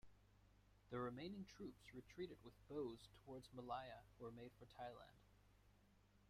The remaining troops retreated with Bose towards Malaya or made for Thailand.